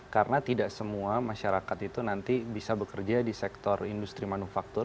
karena tidak semua masyarakat itu nanti bisa bekerja di sektor industri manufaktur